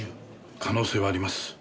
可能性はあります。